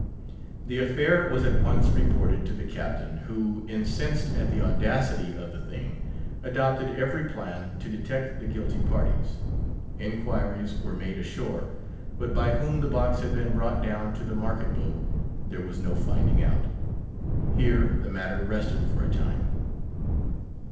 The affair was at once reported to the Captain, who, incensed at the audacity of the thing, adopted every plan to detect the guilty parties. Inquiries were made ashore; but by whom the box had been brought down to the market boat there was no finding out. Here the matter rested for a time.